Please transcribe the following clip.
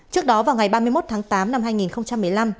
trước đó vào ngày ba mươi một tháng tám năm hai nghìn một mươi năm